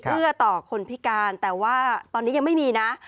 ต่อคนพิการแต่ว่าตอนนี้ยังไม่มีนะ